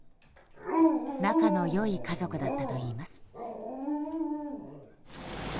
仲の良い家族だったといいます。